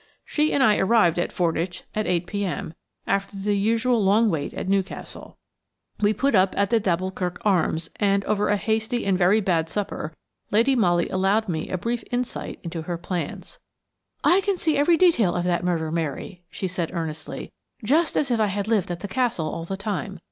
She and I arrived at Fordwych at 8.0 p.m., after the usual long wait at Newcastle. We put up at the d'Alboukirk Arms, and, over a hasty and very bad supper, Lady Molly allowed me a brief insight into her plans. "I can see every detail of that murder, Mary," she said earnestly, "just as if I had lived at the Castle all the time.